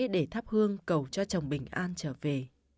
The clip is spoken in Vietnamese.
để thắp hương cầu cho chồng bình an trở về